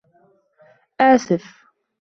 آسف.